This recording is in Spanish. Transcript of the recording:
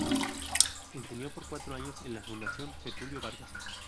Enseñó por cuatro años en la Fundación Getúlio Vargas.